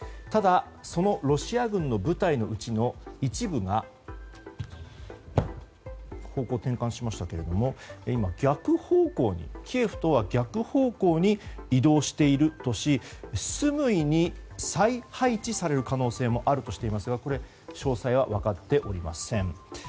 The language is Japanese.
ただ、そのロシア軍の部隊のうちの一部が方向転換しましたけれどもキエフとは逆方向に移動しているとしスムイに再配置される可能性もあるとしていますがこれ、詳細は分かっておりません。